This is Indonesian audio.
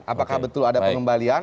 apakah betul ada pengembalian